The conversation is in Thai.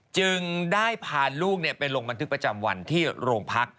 จึงได้พาลูกไปลงบันทึกประจำวันที่โรงพัก